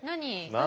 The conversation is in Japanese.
何？